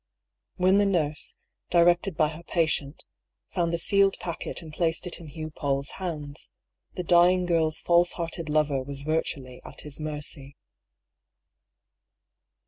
When the nurse, directed by her patient, found the sealed packet and placed it in Hugh Paull's hands, the dying girl's false hearted lover was virtually at his mercy.